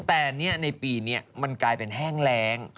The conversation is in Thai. แต่ในปีนี้มันกลายเป็นแห้งแรง